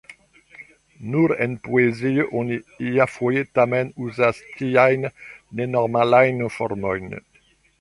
Nur en poezio oni iafoje tamen uzas tiajn nenormalajn formojn.